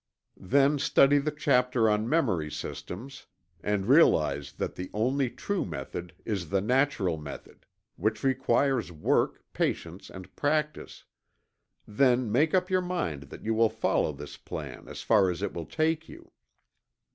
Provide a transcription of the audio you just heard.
Then study the chapter on memory systems, and realize that the only true method is the natural method, which requires work, patience and practice then make up your mind that you will follow this plan as far as it will take you.